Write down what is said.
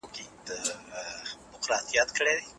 کله چې مرګ وي نو موږ نه یو.